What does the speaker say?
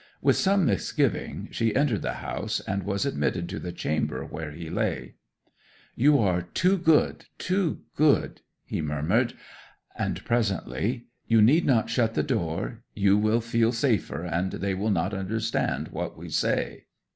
With some misgiving she entered the house, and was admitted to the chamber where he lay. '"You are too good, too good," he murmured. And presently, "You need not shut the door. You will feel safer, and they will not understand what we say."